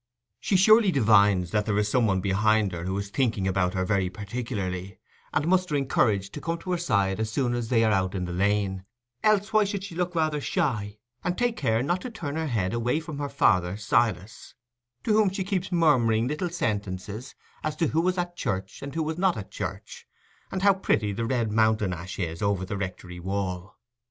She surely divines that there is some one behind her who is thinking about her very particularly, and mustering courage to come to her side as soon as they are out in the lane, else why should she look rather shy, and take care not to turn away her head from her father Silas, to whom she keeps murmuring little sentences as to who was at church and who was not at church, and how pretty the red mountain ash is over the Rectory wall?